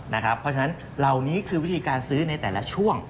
เพราะฉะนั้นเหล่านี้คือวิธีการซื้อในแต่ละช่วง